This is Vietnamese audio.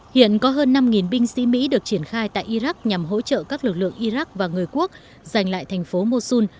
hiện có hơn năm binh sĩ mỹ được triển khai tại iraq nhằm hỗ trợ các lực lượng iraq và người quốc giành lại thành phố mosun